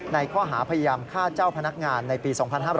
ในข้อหาพยายามฆ่าเจ้าพนักงานในปี๒๕๕๘